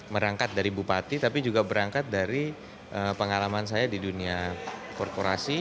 merangkat dari bupati tapi juga berangkat dari pengalaman saya di dunia korporasi